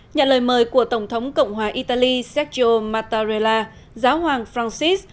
nhận lời mời của tổng thống cộng hòa italy sergio mattarella giáo hoàng francis